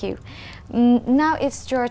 chúng tôi sẽ trở lại